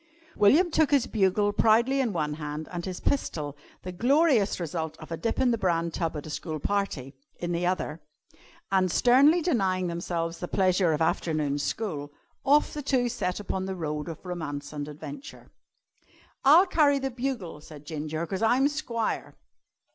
William took his bugle proudly in one hand and his pistol (the glorious result of a dip in the bran tub at a school party) in the other, and, sternly denying themselves the pleasures of afternoon school, off the two set upon the road of romance and adventure. "I'll carry the bugle," said Ginger, "'cause I'm squire."